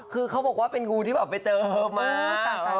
คือเขาบอกว่าเป็นงูที่แบบไปเจอมา